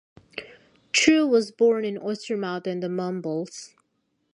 Trew was born in Oystermouth in the Mumbles.